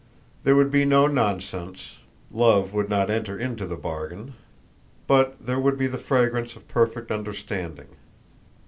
There would be no nonsense; love would not enter into the bargain; but there would be the fragrance of perfect understanding.